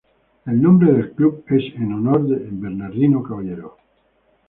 El nombre del club es en honor de Bernardino Caballero.